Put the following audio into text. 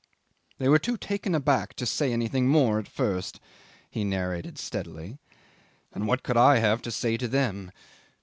"They were too taken aback to say anything more at first," he narrated steadily, "and what could I have to say to them?"